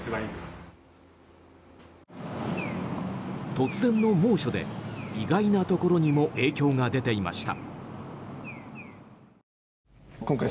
突然の猛暑で意外なところにも影響が出ていました。